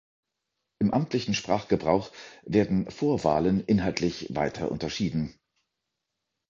Im amtlichen Sprachgebrauch werden Vorwahlen inhaltlich weiter unterschieden.